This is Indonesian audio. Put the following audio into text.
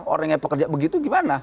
orang yang pekerja begitu gimana